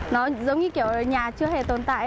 nó giống như kiểu nhà chưa hề tồn tại